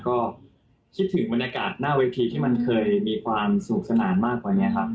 ก็คิดถึงบรรยากาศหน้าเวทีที่มันเคยมีความสุขสนานมากกว่านี้ครับ